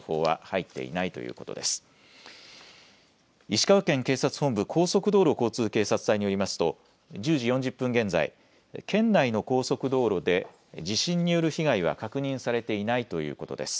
石川県警察本部高速道路交通警察隊によりますと１０時４０分現在、県内の高速道路で地震による被害は確認されていないということです。